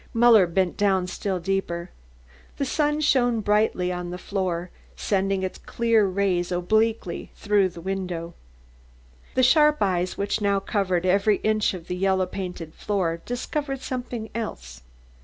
Muller bent down still deeper. The sun shone brightly on the floor, sending its clear rays obliquely through the window. The sharp eyes which now covered every inch of the yellow painted floor discovered something else.